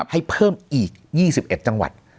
ให้เพิ่มอีก๒๑จังหวัด